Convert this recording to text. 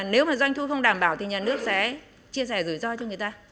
nếu mà doanh thu không đảm bảo thì nhà nước sẽ chia sẻ rủi ro cho người ta